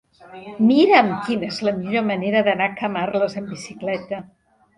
Mira'm quina és la millor manera d'anar a Camarles amb bicicleta.